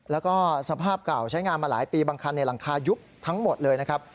แล้วก็สภาพเก่าใช้งานมาหลายปีบางคันหลังคายุบทั้งหมดเลยนะครับ